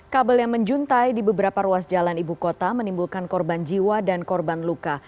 kabel yang menjuntai di beberapa ruas jalan ibu kota menimbulkan korban jiwa dan korban luka